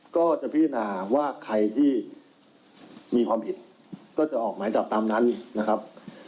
ก็จะพิจารณาว่าใครที่มีความผิดก็จะออกหมายจับตามนั้นนะครับ